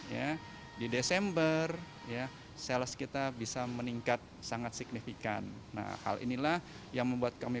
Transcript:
ya di desember ya sales kita bisa meningkat sangat signifikan nah hal inilah yang membuat kami